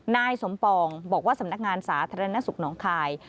นายสมปองบอกว่าสำนักงานสาธารณสุขหนองคาย